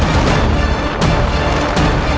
aku akan mencari dia